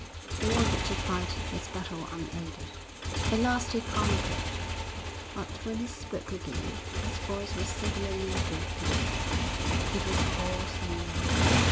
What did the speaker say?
He wanted to fight his battle unaided. At last he conquered, but when he spoke again, his voice was singularly broken. It was hoarse and low.